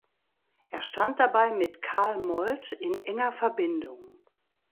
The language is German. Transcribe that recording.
Er stand dabei mit Karl Molt in enger Verbindung.